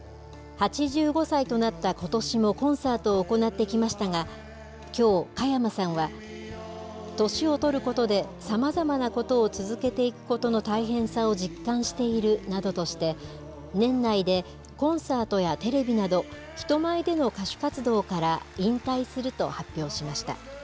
８５歳となったことしもコンサートを行ってきましたが、きょう、加山さんは、年を取ることでさまざまなことを続けていくことの大変さを実感しているなどとして、年内でコンサートやテレビなど、人前での歌手活動から引退すると発表しました。